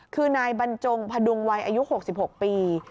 คือนายบรรจงพดุงวัยอายุ๖๖ปี